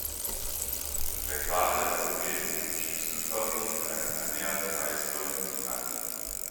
Der Krater ist im Wesentlichen schüsselförmig mit einem annähernd kreisförmigen Rand.